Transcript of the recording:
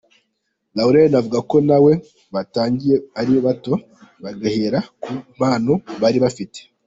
Lauren avuga ko na we batangiye ari bato, bagahera ku mpano bari bafite.